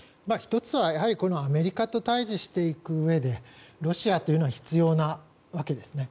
１つはアメリカと対峙していくうえでロシアというのは必要なわけですね。